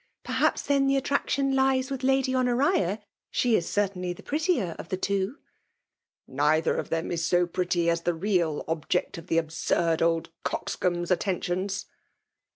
Perhaps, then, tke attractiofi lies with Lady Honoria? She is certamly the "prettier of the two. Neither of them is so pretty as tKe real <)bjectof the absurd oldcoxbombs attentiohs."